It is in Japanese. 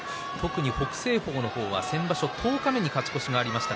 北青鵬は先場所十日目に勝ち越しがありました。